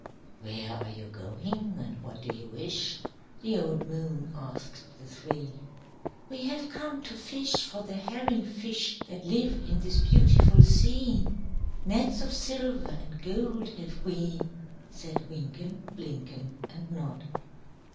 "Where are you going, and what do you wish?" The old moon asked the three. "We have come to fish for the herring fish That live in this beautiful sea; Nets of silver and gold have we," Said Wynken, Blynken, And Nod.